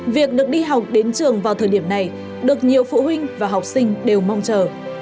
việc được đi học đến trường vào thời điểm này được nhiều phụ huynh và học sinh đều mong chờ